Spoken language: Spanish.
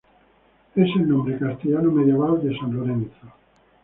Es el nombre castellano medieval de San Lorenzo.